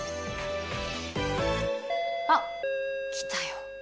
あっ来たよ。